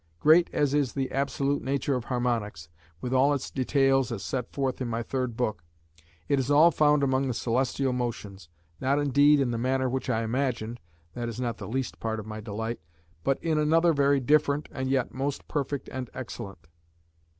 Great as is the absolute nature of Harmonics, with all its details as set forth in my third book, it is all found among the celestial motions, not indeed in the manner which I imagined (that is not the least part of my delight), but in another very different, and yet most perfect and excellent.